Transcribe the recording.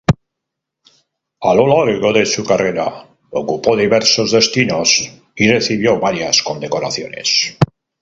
A lo largo de su carrera ocupó diversos destinos y recibió varias condecoraciones.